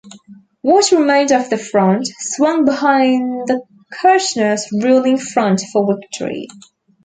What remained of the Front swung behind the Kirchners' ruling Front for Victory.